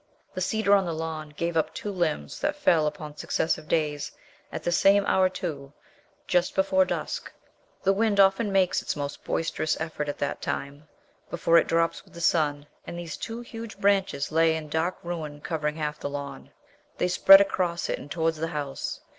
The cedar on the lawn gave up two limbs that fell upon successive days, at the same hour too just before dusk. The wind often makes its most boisterous effort at that time, before it drops with the sun, and these two huge branches lay in dark ruin covering half the lawn. They spread across it and towards the house.